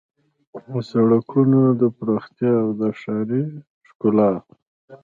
د سړکونو د پراختیا او د ښاري ښکلا